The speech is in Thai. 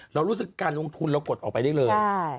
เรารู้สึกการลงทุนเรากดออกไปได้เลย